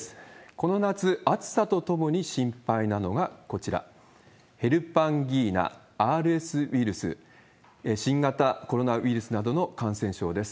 この夏、暑さと共に心配なのがこちら、ヘルパンギーナ、ＲＳウイルス、新型コロナウイルスなどの感染症です。